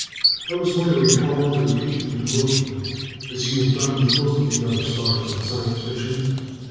I was wondering how long it would take you to locate them, as you have done with most of the other stars in Science Fiction.